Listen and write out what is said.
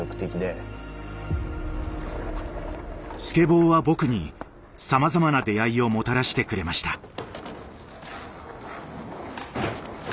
スケボーは僕にさまざまな出会いをもたらしてくれました。